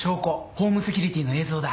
ホームセキュリティーの映像だ。